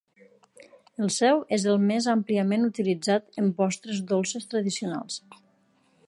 El sèu és el més àmpliament utilitzat en postres dolces tradicionals.